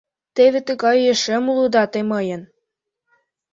Теве тыгай ешем улыда те мыйын!